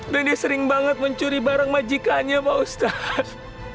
dan dia sering banget mencuri barang majikannya bapak ustaz